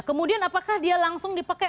kemudian apakah dia langsung dipakai